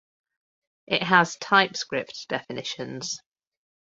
It has TypeScript definitions